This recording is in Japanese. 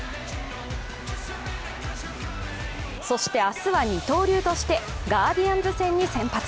そして、明日は二刀流としてガーディアンズ戦に先発。